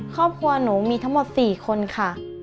ครอบครัวหนูมีทั้งหมด๔คนค่ะ